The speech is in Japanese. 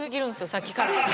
さっきから。